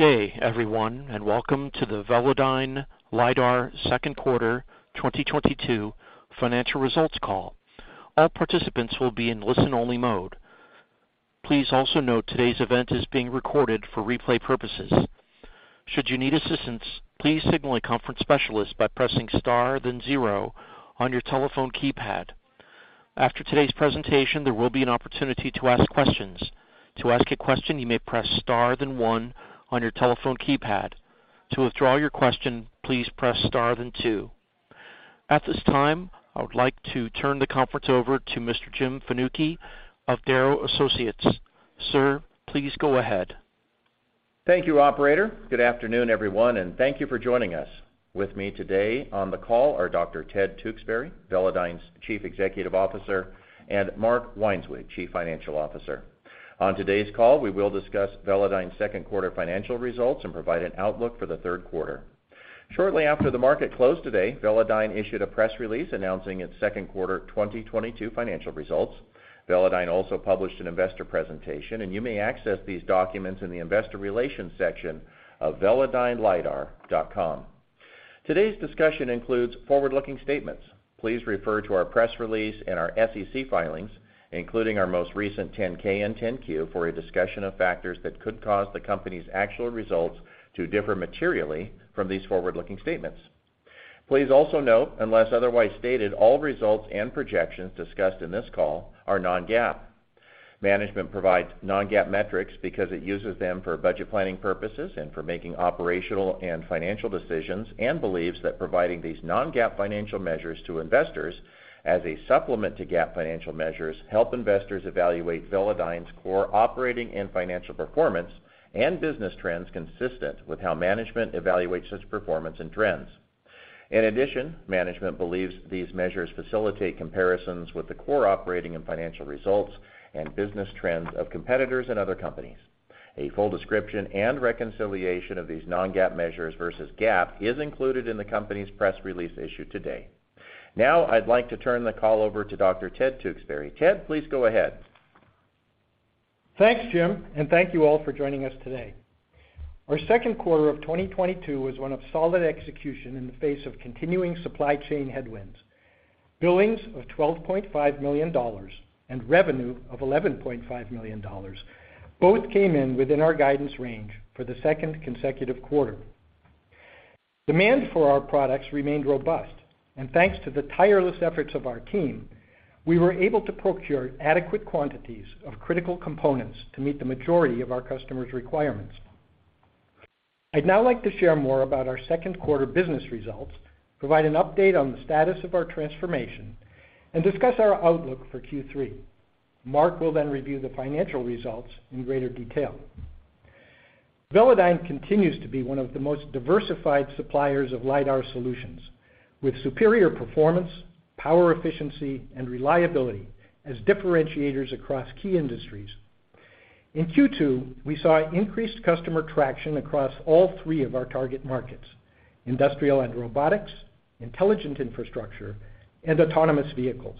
Good day, everyone, and welcome to the Velodyne Lidar Q2 2022 financial results call. All participants will be in listen-only mode. Please also note today's event is being recorded for replay purposes. Should you need assistance, please signal a conference specialist by pressing Star then zero on your telephone keypad. After today's presentation, there will be an opportunity to ask questions. To ask a question, you may press Star then one on your telephone keypad. To withdraw your question, please press Star then two. At this time, I would like to turn the conference over to Mr. Jim Fanucchi of Darrow Associates. Sir, please go ahead. Thank you, operator. Good afternoon, everyone, and thank you for joining us. With me today on the call are Dr. Ted Tewksbury, Velodyne's Chief Executive Officer, and Mark Weinswig, Chief Financial Officer. On today's call, we will discuss Velodyne's Q2 financial results and provide an outlook for the Q3. Shortly after the market closed today, Velodyne issued a press release announcing its Q2 2022 financial results. Velodyne also published an investor presentation, and you may access these documents in the investor relations section of velodynelidar.com. Today's discussion includes forward-looking statements. Please refer to our press release and our SEC filings, including our most recent 10-K and 10-Q, for a discussion of factors that could cause the company's actual results to differ materially from these forward-looking statements. Please also note, unless otherwise stated, all results and projections discussed in this call are non-GAAP. Management provides non-GAAP metrics because it uses them for budget planning purposes and for making operational and financial decisions, and believes that providing these non-GAAP financial measures to investors as a supplement to GAAP financial measures help investors evaluate Velodyne's core operating and financial performance and business trends consistent with how management evaluates its performance and trends. In addition, management believes these measures facilitate comparisons with the core operating and financial results and business trends of competitors and other companies. A full description and reconciliation of these non-GAAP measures versus GAAP is included in the company's press release issued today. Now I'd like to turn the call over to Dr. Ted Tewksbury. Ted, please go ahead. Thanks, Jim, and thank you all for joining us today. Our Q2 of 2022 was one of solid execution in the face of continuing supply chain headwinds. Billings of $12.5 million and revenue of $11.5 million both came in within our guidance range for the second consecutive quarter. Demand for our products remained robust, and thanks to the tireless efforts of our team, we were able to procure adequate quantities of critical components to meet the majority of our customers' requirements. I'd now like to share more about our Q2 business results, provide an update on the status of our transformation, and discuss our outlook for Q3. Mark will then review the financial results in greater detail. Velodyne continues to be one of the most diversified suppliers of lidar solutions with superior performance, power efficiency, and reliability as differentiators across key industries. In Q2, we saw increased customer traction across all three of our target markets, industrial and robotics, intelligent infrastructure, and autonomous vehicles.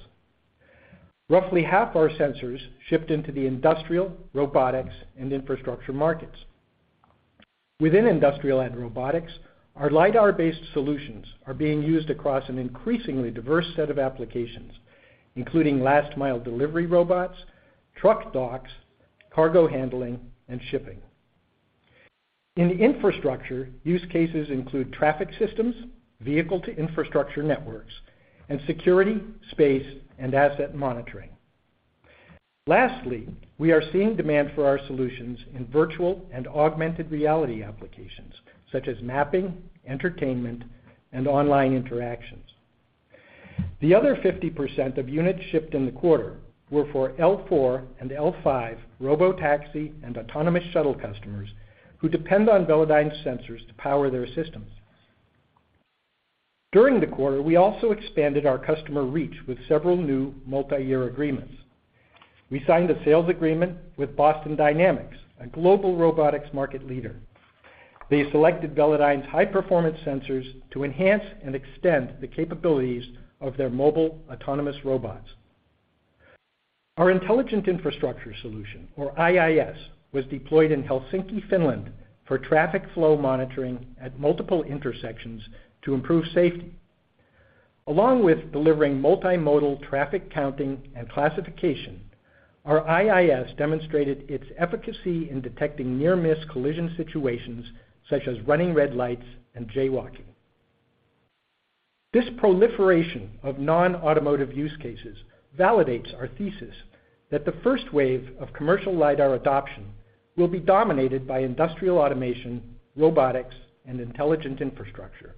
Roughly half our sensors shipped into the industrial, robotics, and infrastructure markets. Within industrial and robotics, our lidar-based solutions are being used across an increasingly diverse set of applications, including last mile delivery robots, truck docks, cargo handling, and shipping. In the infrastructure, use cases include traffic systems, vehicle-to-infrastructure networks, and security, space, and asset monitoring. Lastly, we are seeing demand for our solutions in virtual and augmented reality applications such as mapping, entertainment, and online interactions. The other 50% of units shipped in the quarter were for Level 4 and Level 5 robotaxis and autonomous shuttle customers who depend on Velodyne's sensors to power their systems. During the quarter, we also expanded our customer reach with several new multi-year agreements. We signed a sales agreement with Boston Dynamics, a global robotics market leader. They selected Velodyne's high-performance sensors to enhance and extend the capabilities of their mobile autonomous robots. Our intelligent infrastructure solution, or IIS, was deployed in Helsinki, Finland, for traffic flow monitoring at multiple intersections to improve safety. Along with delivering multimodal traffic counting and classification, our IIS demonstrated its efficacy in detecting near-miss collision situations such as running red lights and jaywalking. This proliferation of non-automotive use cases validates our thesis that the first wave of commercial lidar adoption will be dominated by industrial automation, robotics, and intelligent infrastructure.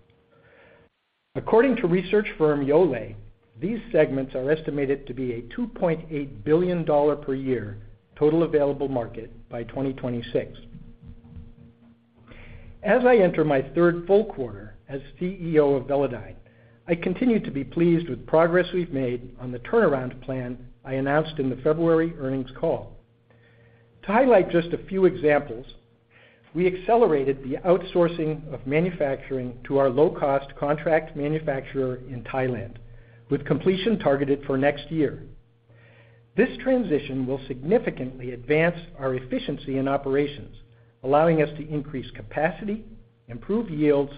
According to research firm Yole, these segments are estimated to be a $2.8 billion per year total available market by 2026. As I enter my full 3Q as CEO of Velodyne, I continue to be pleased with progress we've made on the turnaround plan I announced in the February earnings call. To highlight just a few examples, we accelerated the outsourcing of manufacturing to our low-cost contract manufacturer in Thailand with completion targeted for next year. This transition will significantly advance our efficiency in operations, allowing us to increase capacity, improve yields,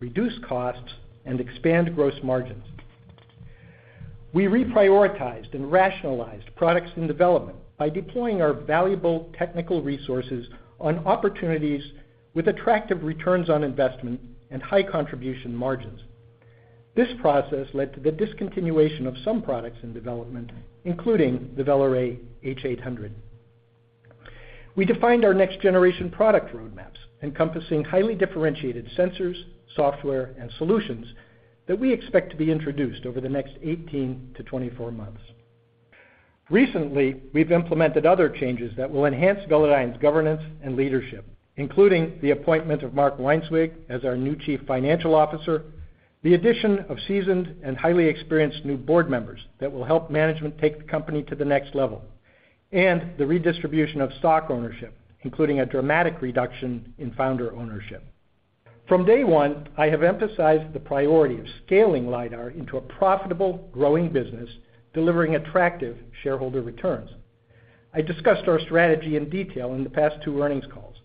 reduce costs, and expand gross margins. We reprioritized and rationalized products in development by deploying our valuable technical resources on opportunities with attractive returns on investment and high contribution margins. This process led to the discontinuation of some products in development, including the Velarray H800. We defined our next generation product roadmaps, encompassing highly differentiated sensors, software, and solutions that we expect to be introduced over the next 18-24 months. Recently, we've implemented other changes that will enhance Velodyne's governance and leadership, including the appointment of Mark Weinswig as our new Chief Financial Officer, the addition of seasoned and highly experienced new board members that will help management take the company to the next level, and the redistribution of stock ownership, including a dramatic reduction in founder ownership. From day one, I have emphasized the priority of scaling lidar into a profitable, growing business, delivering attractive shareholder returns. I discussed our strategy in detail in the past two earnings calls.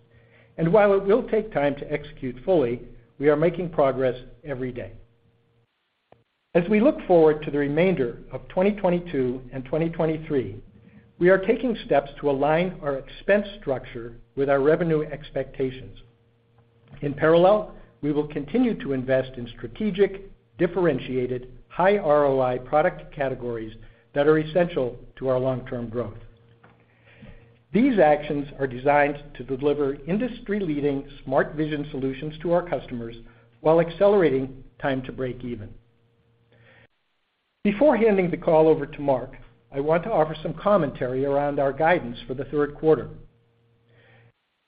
While it will take time to execute fully, we are making progress every day. As we look forward to the remainder of 2022 and 2023, we are taking steps to align our expense structure with our revenue expectations. In parallel, we will continue to invest in strategic, differentiated, high ROI product categories that are essential to our long-term growth. These actions are designed to deliver industry-leading smart vision solutions to our customers while accelerating time to break even. Before handing the call over to Mark, I want to offer some commentary around our guidance for the Q3.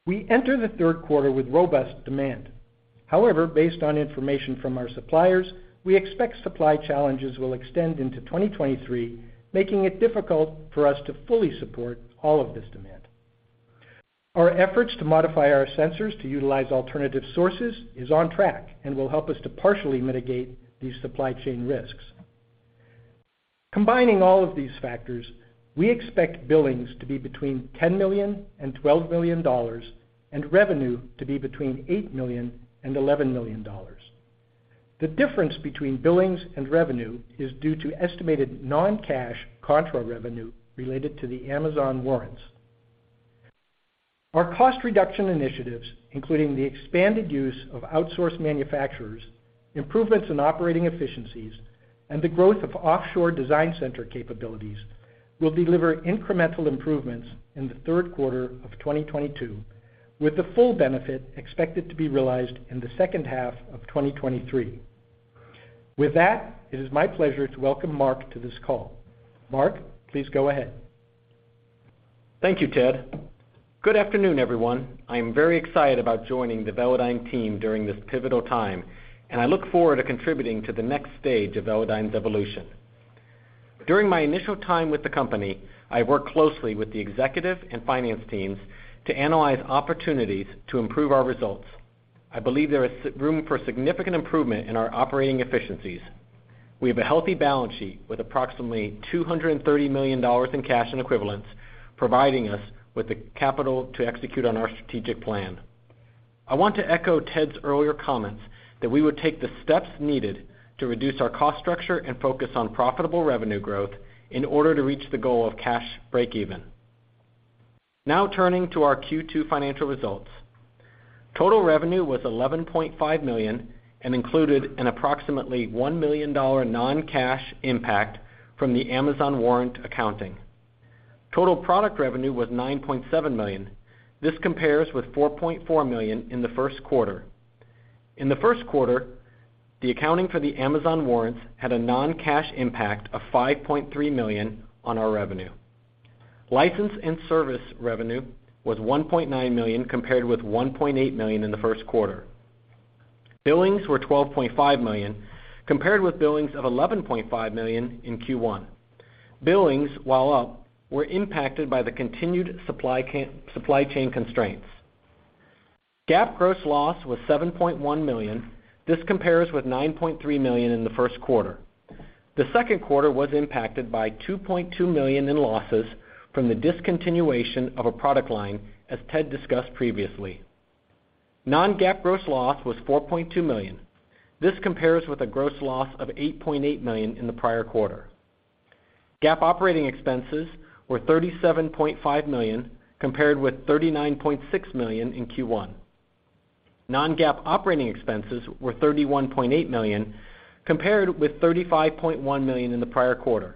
We enter the Q3 with robust demand. However, based on information from our suppliers, we expect supply challenges will extend into 2023, making it difficult for us to fully support all of this demand. Our efforts to modify our sensors to utilize alternative sources is on track and will help us to partially mitigate these supply chain risks. Combining all of these factors, we expect billings to be between $10 million and $12 million and revenue to be between $8 million and $11 million. The difference between billings and revenue is due to estimated non-cash contra revenue related to the Amazon warrants. Our cost reduction initiatives, including the expanded use of outsourced manufacturers, improvements in operating efficiencies, and the growth of offshore design center capabilities, will deliver incremental improvements in the Q3 of 2022, with the full benefit expected to be realized in the second half of 2023. With that, it is my pleasure to welcome Mark to this call. Mark, please go ahead. Thank you, Ted. Good afternoon, everyone. I am very excited about joining the Velodyne team during this pivotal time, and I look forward to contributing to the next stage of Velodyne's evolution. During my initial time with the company, I worked closely with the executive and finance teams to analyze opportunities to improve our results. I believe there is room for significant improvement in our operating efficiencies. We have a healthy balance sheet with approximately $230 million in cash and equivalents, providing us with the capital to execute on our strategic plan. I want to echo Ted's earlier comments that we would take the steps needed to reduce our cost structure and focus on profitable revenue growth in order to reach the goal of cash breakeven. Now turning to our Q2 financial results. Total revenue was $11.5 million and included an approximately $1 million non-cash impact from the Amazon warrant accounting. Total product revenue was $9.7 million. This compares with $4.4 million in the Q1. In the Q1, the accounting for the Amazon warrants had a non-cash impact of $5.3 million on our revenue. License and service revenue was $1.9 million compared with $1.8 million in the Q1. Billings were $12.5 million compared with billings of $11.5 million in Q1. Billings, while up, were impacted by the continued supply chain constraints. GAAP gross loss was $7.1 million. This compares with $9.3 million in the Q1. The Q2 was impacted by $2.2 million in losses from the discontinuation of a product line as Ted discussed previously. Non-GAAP gross loss was $4.2 million. This compares with a gross loss of $8.8 million in the prior quarter. GAAP operating expenses were $37.5 million compared with $39.6 million in Q1. Non-GAAP operating expenses were $31.8 million compared with $35.1 million in the prior quarter.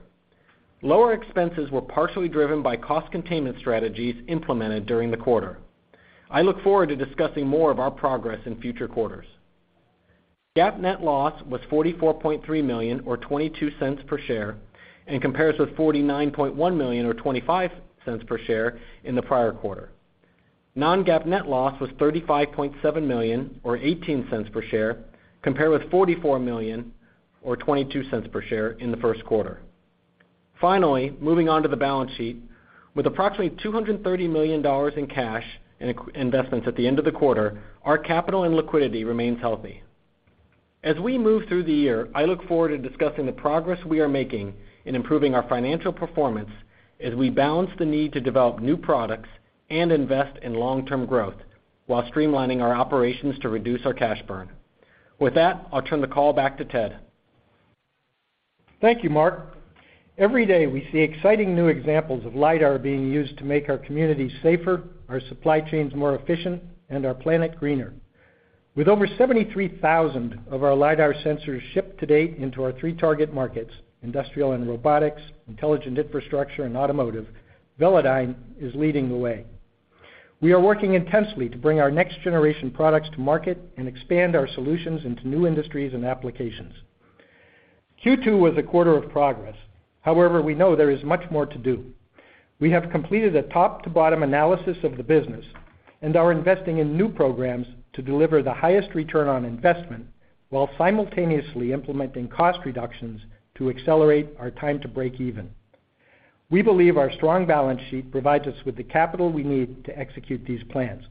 Lower expenses were partially driven by cost containment strategies implemented during the quarter. I look forward to discussing more of our progress in future quarters. GAAP net loss was $44.3 million or $0.22 per share, and compares with $49.1 million or $0.25 per share in the prior quarter. Non-GAAP net loss was $35.7 million or $0.18 per share, compared with $44 million or $0.22 per share in the Q1. Finally, moving on to the balance sheet. With approximately $230 million in cash and investments at the end of the quarter, our capital and liquidity remains healthy. As we move through the year, I look forward to discussing the progress we are making in improving our financial performance as we balance the need to develop new products and invest in long-term growth while streamlining our operations to reduce our cash burn. With that, I'll turn the call back to Ted. Thank you, Mark. Every day, we see exciting new examples of lidar being used to make our communities safer, our supply chains more efficient, and our planet greener. With over 73,000 of our lidar sensors shipped to date into our three target markets, industrial and robotics, intelligent infrastructure, and automotive, Velodyne is leading the way. We are working intensely to bring our next generation products to market and expand our solutions into new industries and applications. Q2 was a quarter of progress. However, we know there is much more to do. We have completed a top-to-bottom analysis of the business and are investing in new programs to deliver the highest return on investment while simultaneously implementing cost reductions to accelerate our time to break even. We believe our strong balance sheet provides us with the capital we need to execute these plans.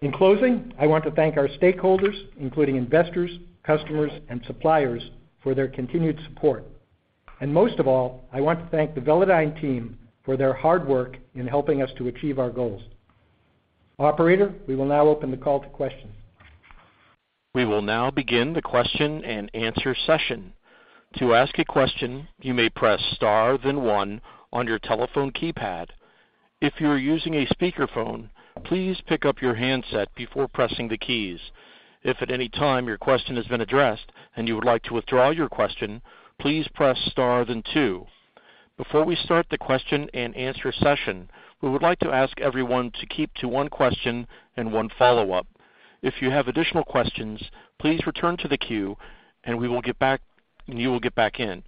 In closing, I want to thank our stakeholders, including investors, customers, and suppliers, for their continued support. Most of all, I want to thank the Velodyne team for their hard work in helping us to achieve our goals. Operator, we will now open the call to questions. We will now begin the question-and-answer session. To ask a question, you may press star then one on your telephone keypad. If you are using a speakerphone, please pick up your handset before pressing the keys. If at any time your question has been addressed and you would like to withdraw your question, please press star then two. Before we start the question-and-answer session, we would like to ask everyone to keep to one question and one follow-up. If you have additional questions, please return to the queue, and you will get back in.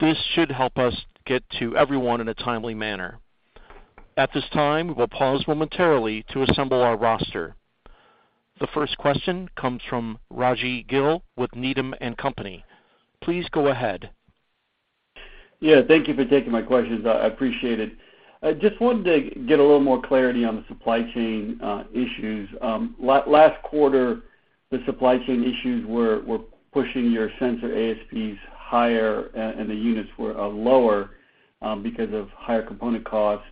This should help us get to everyone in a timely manner. At this time, we'll pause momentarily to assemble our roster. The first question comes from Rajvindra Gill with Needham & Company. Please go ahead. Yeah. Thank you for taking my questions. I appreciate it. I just wanted to get a little more clarity on the supply chain issues. Last quarter, the supply chain issues were pushing your sensor ASPs higher, and the units were lower, because of higher component costs,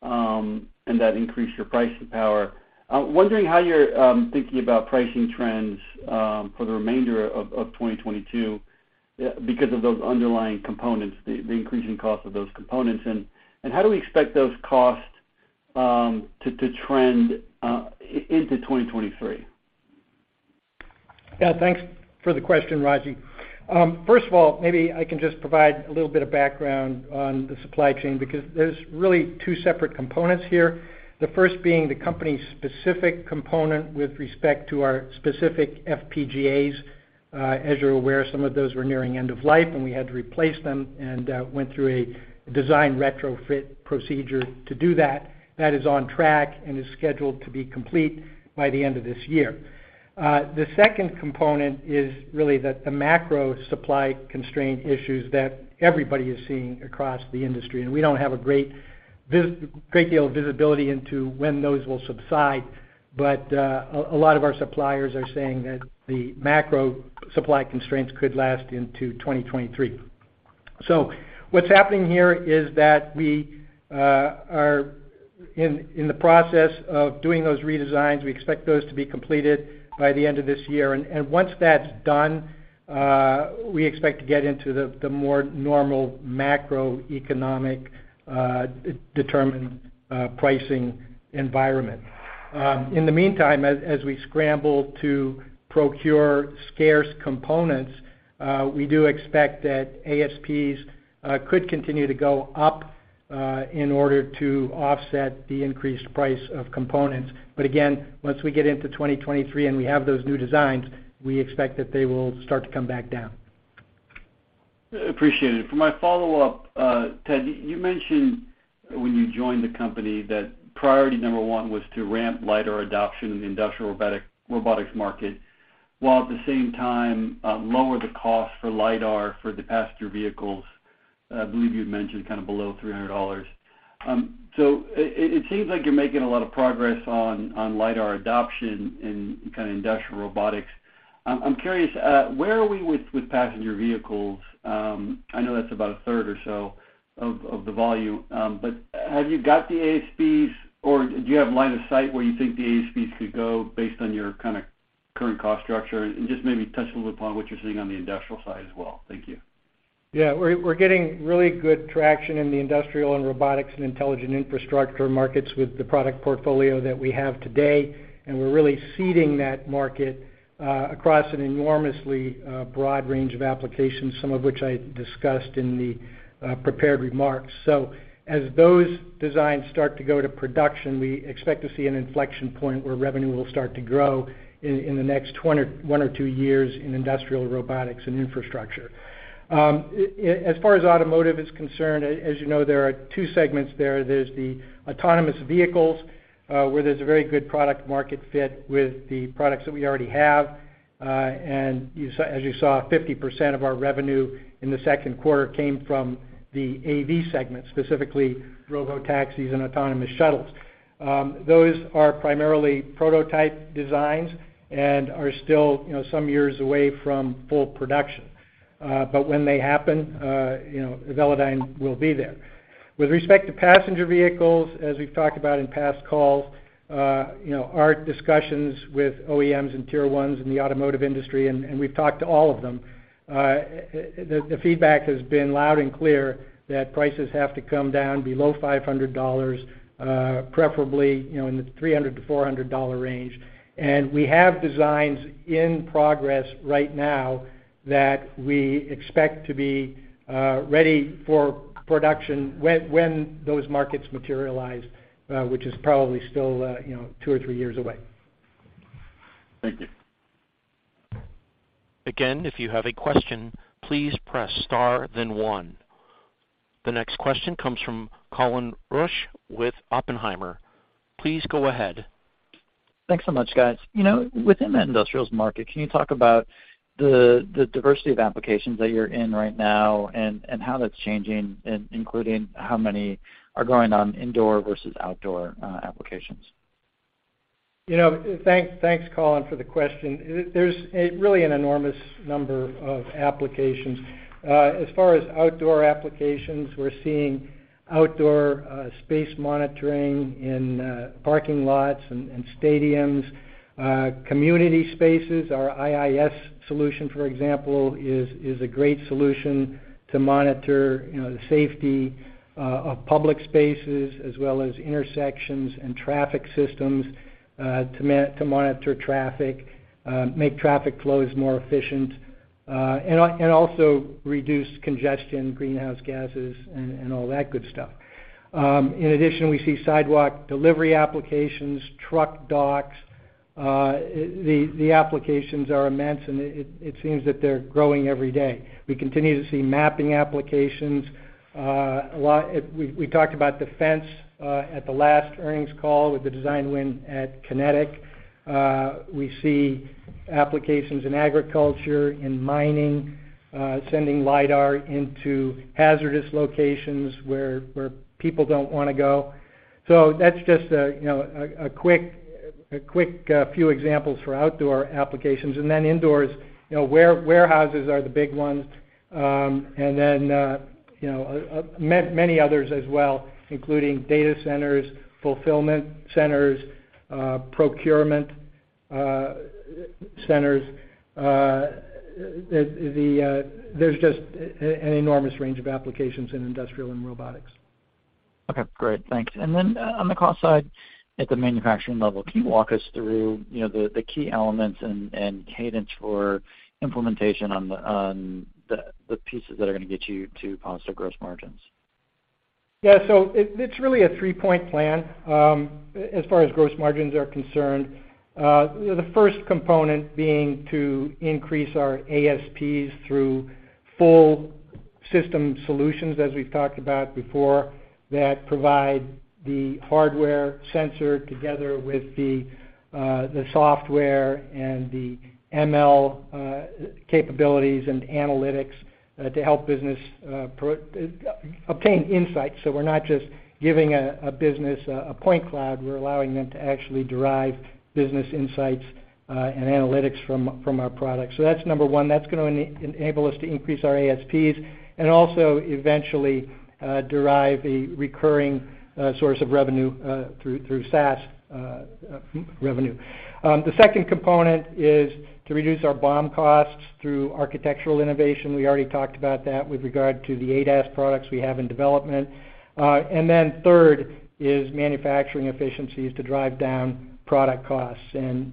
and that increased your pricing power. I'm wondering how you're thinking about pricing trends for the remainder of 2022 because of those underlying components, the increasing cost of those components. How do we expect those costs to trend into 2023? Yeah. Thanks for the question, Raji. First of all, maybe I can just provide a little bit of background on the supply chain because there's really two separate components here. The first being the company's specific component with respect to our specific FPGAs. As you're aware, some of those were nearing end of life, and we had to replace them and went through a design retrofit procedure to do that. That is on track and is scheduled to be complete by the end of this year. The second component is really the macro supply constraint issues that everybody is seeing across the industry. We don't have a great deal of visibility into when those will subside. A lot of our suppliers are saying that the macro supply constraints could last into 2023. What's happening here is that we are in the process of doing those redesigns. We expect those to be completed by the end of this year. Once that's done, we expect to get into the more normal macroeconomic determined pricing environment. In the meantime, as we scramble to procure scarce components, we do expect that ASPs could continue to go up in order to offset the increased price of components. Once we get into 2023 and we have those new designs, we expect that they will start to come back down. Appreciate it. For my follow-up, Ted, you mentioned when you joined the company that priority number one was to ramp lidar adoption in the industrial robotics market, while at the same time, lower the cost for lidar for the passenger vehicles. I believe you had mentioned kind of below $300. So it seems like you're making a lot of progress on lidar adoption in kind of industrial robotics. I'm curious, where are we with passenger vehicles? I know that's about a third or so of the volume. But have you got the ASPs, or do you have line of sight where you think the ASPs could go based on your kinda current cost structure? Just maybe touch a little upon what you're seeing on the industrial side as well. Thank you. Yeah. We're getting really good traction in the industrial and robotics and intelligent infrastructure markets with the product portfolio that we have today, and we're really seeding that market across an enormously broad range of applications, some of which I discussed in the prepared remarks. As those designs start to go to production, we expect to see an inflection point where revenue will start to grow in the next one or two years in industrial robotics and infrastructure. As far as automotive is concerned, as you know, there are two segments there. There's the autonomous vehicles, where there's a very good product market fit with the products that we already have. And as you saw, 50% of our revenue in the Q2 came from the AV segment, specifically robotaxis and autonomous shuttles. Those are primarily prototype designs and are still, you know, some years away from full production. When they happen, you know, Velodyne will be there. With respect to passenger vehicles, as we've talked about in past calls, you know, our discussions with OEMs and Tier ones in the automotive industry, and we've talked to all of them, the feedback has been loud and clear that prices have to come down below $500, preferably, you know, in the $300-$400 range. We have designs in progress right now that we expect to be ready for production when those markets materialize, which is probably still, you know, two or three years away. Thank you. Again, if you have a question, please press star then one. The next question comes from Colin Rusch with Oppenheimer. Please go ahead. Thanks so much, guys. You know, within that industrials market, can you talk about the diversity of applications that you're in right now and how that's changing, including how many are going on indoor versus outdoor applications? You know, thanks, Colin, for the question. There's really an enormous number of applications. As far as outdoor applications, we're seeing outdoor space monitoring in parking lots and stadiums, community spaces. Our IIS solution, for example, is a great solution to monitor, you know, the safety of public spaces as well as intersections and traffic systems to monitor traffic, make traffic flows more efficient, and also reduce congestion, greenhouse gases, and all that good stuff. In addition, we see sidewalk delivery applications, truck docks. The applications are immense, and it seems that they're growing every day. We continue to see mapping applications. We talked about defense at the last earnings call with the design win at Knightscope. We see applications in agriculture, in mining, sending lidar into hazardous locations where people don't wanna go. That's just a quick few examples for outdoor applications. Indoors, you know, warehouses are the big ones. Many others as well, including data centers, fulfillment centers, procurement centers. There's just an enormous range of applications in industrial and robotics. Okay, great. Thanks. On the cost side, at the manufacturing level, can you walk us through, you know, the key elements and cadence for implementation on the pieces that are gonna get you to positive gross margins? Yeah. It's really a three-point plan as far as gross margins are concerned. The first component being to increase our ASPs through full system solutions, as we've talked about before, that provide the hardware sensor together with the software and the ML capabilities and analytics to help business obtain insights. We're not just giving a business a point cloud. We're allowing them to actually derive business insights and analytics from our products. That's number one. That's gonna enable us to increase our ASPs and also eventually derive a recurring source of revenue through SaaS revenue. The second component is to reduce our BOM costs through architectural innovation. We already talked about that with regard to the ADAS products we have in development. Third is manufacturing efficiencies to drive down product costs.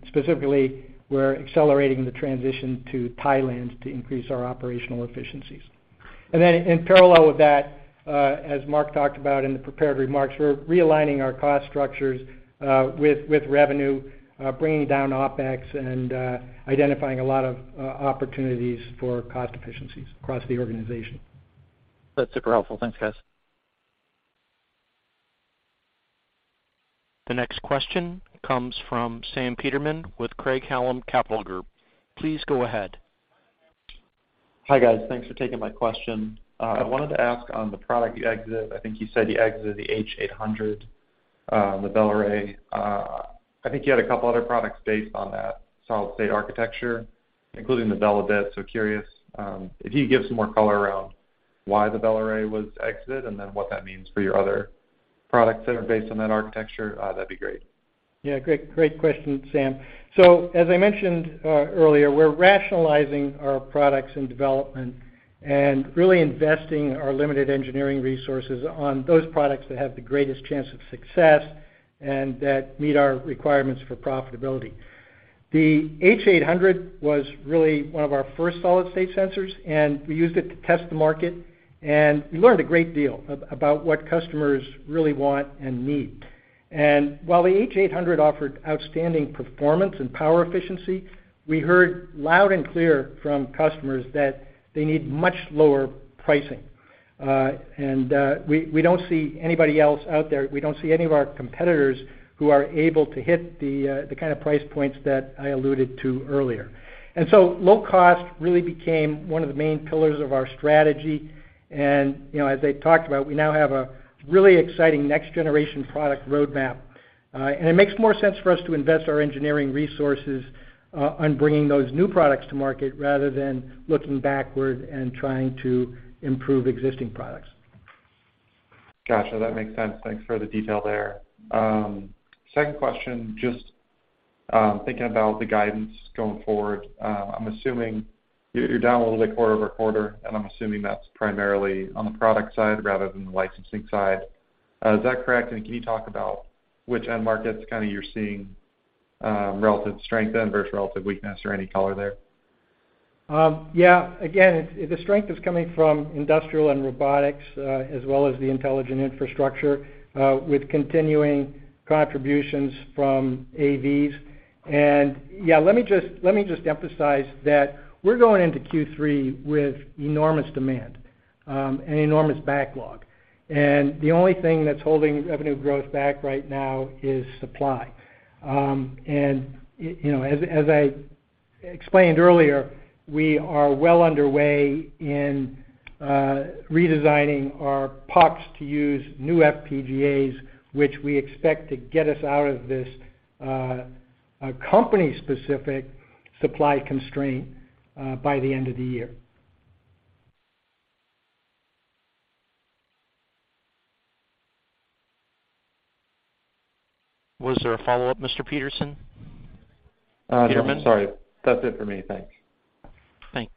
Specifically, we're accelerating the transition to Thailand to increase our operational efficiencies. In parallel with that, as Mark talked about in the prepared remarks, we're realigning our cost structures with revenue, bringing down OpEx and identifying a lot of opportunities for cost efficiencies across the organization. That's super helpful. Thanks, guys. The next question comes from Sam Peterman with Craig-Hallum Capital Group. Please go ahead. Hi, guys. Thanks for taking my question. I wanted to ask on the product you exited. I think you said you exited the H800, the Velarray. I think you had a couple other products based on that solid-state architecture, including the Velabit. Curious, if you could give some more color around why the Velarray was exited and then what that means for your other products that are based on that architecture, that'd be great. Yeah. Great question, Sam. As I mentioned earlier, we're rationalizing our products in development and really investing our limited engineering resources on those products that have the greatest chance of success and that meet our requirements for profitability. The H800 was really one of our first solid-state sensors, and we used it to test the market, and we learned a great deal about what customers really want and need. While the H800 offered outstanding performance and power efficiency, we heard loud and clear from customers that they need much lower pricing. We don't see anybody else out there. We don't see any of our competitors who are able to hit the kind of price points that I alluded to earlier. Low cost really became one of the main pillars of our strategy. You know, as I talked about, we now have a really exciting next generation product roadmap. It makes more sense for us to invest our engineering resources on bringing those new products to market rather than looking backward and trying to improve existing products. Gotcha. That makes sense. Thanks for the detail there. Second question, just thinking about the guidance going forward, I'm assuming you're down a little bit quarter over quarter, and I'm assuming that's primarily on the product side rather than the licensing side. Is that correct? Can you talk about which end markets kinda you're seeing relative strength and versus relative weakness or any color there? Yeah. Again, the strength is coming from industrial and robotics, as well as the intelligent infrastructure, with continuing contributions from AVs. Yeah, let me just emphasize that we're going into Q3 with enormous demand, and enormous backlog. The only thing that's holding revenue growth back right now is supply. You know, as I explained earlier, we are well underway in redesigning our POPs to use new FPGAs, which we expect to get us out of this company-specific supply constraint, by the end of the year. Was there a follow-up, Mr. Peterman? No. Peterman? Sorry. That's it for me. Thanks. Thanks.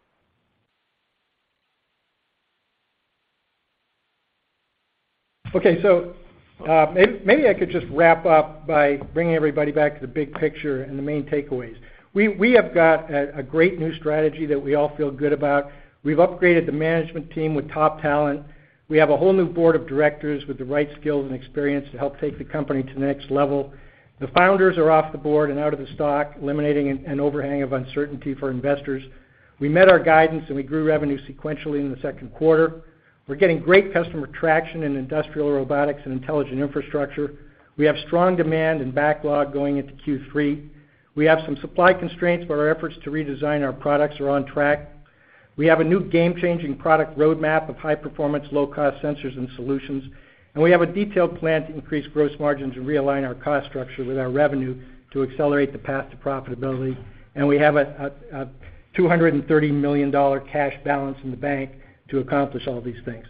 Okay. Maybe I could just wrap up by bringing everybody back to the big picture and the main takeaways. We have got a great new strategy that we all feel good about. We've upgraded the management team with top talent. We have a whole new board of directors with the right skills and experience to help take the company to the next level. The founders are off the board and out of the stock, eliminating an overhang of uncertainty for investors. We met our guidance, and we grew revenue sequentially in the Q2. We're getting great customer traction in industrial robotics and intelligent infrastructure. We have strong demand and backlog going into Q3. We have some supply constraints, but our efforts to redesign our products are on track. We have a new game-changing product roadmap of high-performance, low-cost sensors and solutions, and we have a detailed plan to increase gross margins and realign our cost structure with our revenue to accelerate the path to profitability, and we have a $230 million cash balance in the bank to accomplish all these things.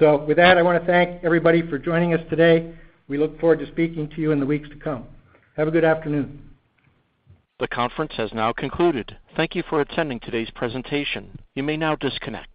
With that, I wanna thank everybody for joining us today. We look forward to speaking to you in the weeks to come. Have a good afternoon. The conference has now concluded. Thank you for attending today's presentation. You may now disconnect.